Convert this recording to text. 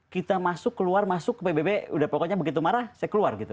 kita masuk keluar masuk ke pbb udah pokoknya begitu marah saya keluar gitu